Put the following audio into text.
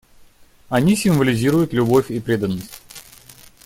Они символизируют любовь и преданность.